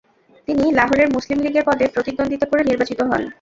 তিনি লাহোরের মুসলিম লীগের পদে প্রতিদ্বন্দ্বিতা করে নির্বাচিত হন।